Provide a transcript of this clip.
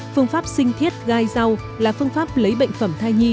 phương pháp sinh thiết gai rau là phương pháp lấy bệnh phẩm thai nhi